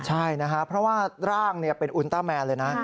ใช่นะครับเพราะว่าร่างเป็นอุณต้าแมนเลยนะ